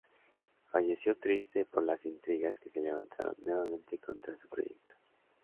Falleció triste por las intrigas que se levantaron nuevamente contra su proyecto.